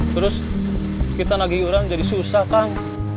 terus kita lagi iuran jadi susah kang